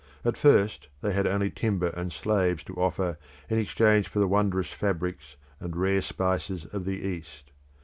At first they had only timber and slaves to offer in exchange for the wondrous fabrics and rare spices of the East.